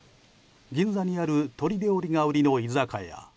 銀座にある鳥料理が売りの居酒屋。